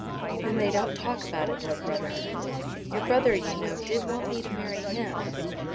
"Then they don't talk about it, Lord Brotherton. Your brother you know did want me to marry him."